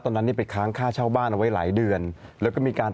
ตอนนั้นเนี่ยไปค้างค่าเช่าบ้านเอาไว้หลายเดือนแล้วก็มีการ